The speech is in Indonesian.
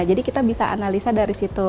jadi kita bisa analisa dari situ